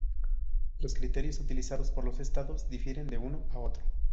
Los criterios utilizados por los estados difieren de uno a otro.